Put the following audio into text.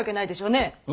ねえ。